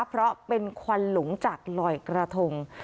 เพราะเป็นควันหลงจากลอยกระทง